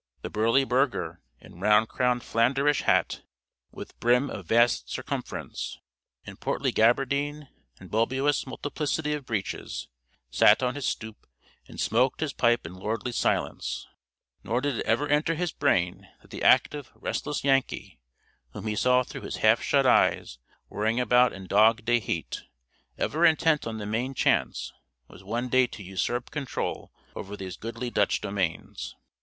The burly burgher, in round crowned flaunderish hat with brim of vast circumference, in portly gaberdine and bulbous multiplicity of breeches, sat on his "stoep" and smoked his pipe in lordly silence; nor did it ever enter his brain that the active, restless Yankee, whom he saw through his half shut eyes worrying about in dog day heat, ever intent on the main chance, was one day to usurp control over these goodly Dutch domains.